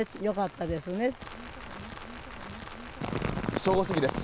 正午過ぎです。